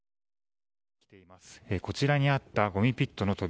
こちらにあったごみピットの扉。